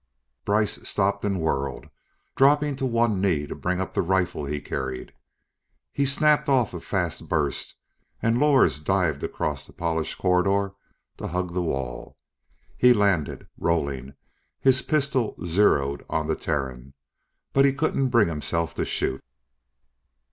Brice stopped and whirled, dropping to one knee to bring up the rifle he carried. He snapped off a fast burst and Lors dived across the polished corridor to hug the wall. He landed, rolling, his pistol zeroed on the Terran, but he couldn't bring himself to shoot.